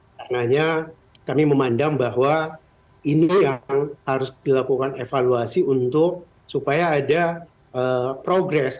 karena kami memandang bahwa ini yang harus dilakukan evaluasi untuk supaya ada progres